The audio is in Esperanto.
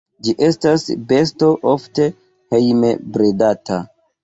Ĝi estas besto ofte hejme bredata.